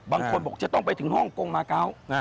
บางคนบอกจะต้องไปถึงฮ่องกงมาเกาะ